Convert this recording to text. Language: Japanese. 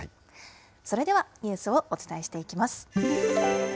それではニュースをお伝えしていきます。